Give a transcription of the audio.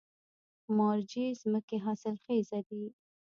مارجې ځمکې حاصلخیزه دي؟